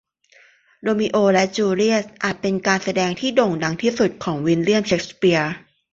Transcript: โรมิโอและจูเลียตอาจเป็นการแสดงที่โด่งดังที่สุดของวิลเลียมเชกสเปียร์